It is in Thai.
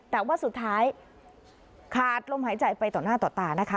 แต่ว่าสุดท้ายขาดลมหายใจไปต่อหน้าต่อตานะคะ